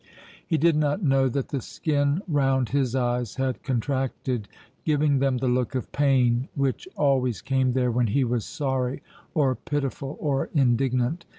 He did not know that the skin round his eyes had contracted, giving them the look of pain which always came there when he was sorry or pitiful or indignant.